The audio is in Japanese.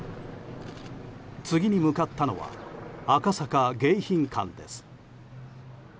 次に向かったのは赤坂・迎賓館です。